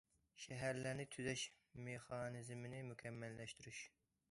شەھەرلەرنى تۈزەش مېخانىزمىنى مۇكەممەللەشتۈرۈش.